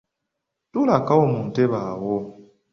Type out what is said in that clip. Tuulako mu ntebe awo.